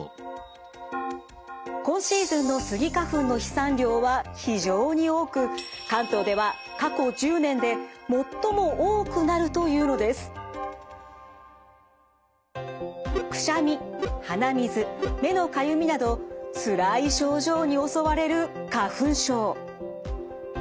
今シーズンのスギ花粉の飛散量は非常に多く関東では過去１０年で最も多くなるというのです。などつらい症状に襲われる花粉症。